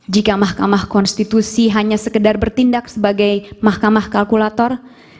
jika mahkamah konstitusi hanya sekedar bertindak kekuasaan